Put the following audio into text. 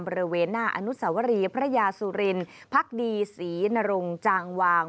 บริเวณหน้าอนุสวรีพระยาสุรินพักดีศรีนรงจางวาง